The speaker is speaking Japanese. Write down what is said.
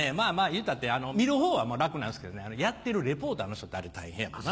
言うたって見る方は楽なんですけどねやってるリポーターの人ってあれ大変やもんな。